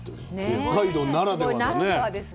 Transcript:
北海道ならではのね。